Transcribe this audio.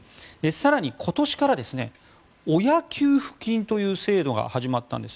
更に今年から親給付金という制度が始まったんです。